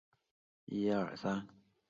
中都城西北山上筑烽火台。